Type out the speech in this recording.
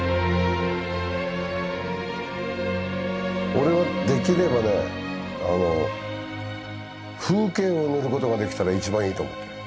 俺はできればねあの風景を塗ることができたら一番いいと思ってる。